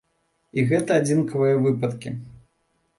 І гэта адзінкавыя выпадкі.